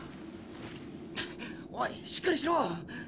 おいしっかりしろ。